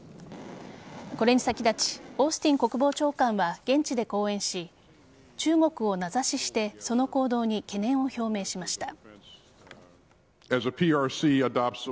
これに先立ちオースティン国防長官は現地で講演し中国を名指ししてその行動に懸念を表明しました。